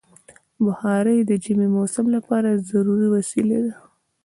بخاري د ژمي موسم لپاره ضروري وسیله ده.